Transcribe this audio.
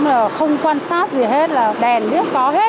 mà không quan sát gì hết là đèn biết có hết